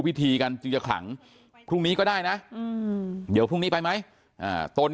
พิธีกันจึงจะขลังพรุ่งนี้ก็ได้นะเดี๋ยวพรุ่งนี้ไปไหมต้น